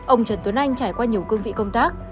ông trần tuấn anh trải qua nhiều cương vị công tác